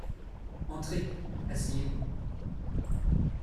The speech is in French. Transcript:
Entrez, asseyez-vous.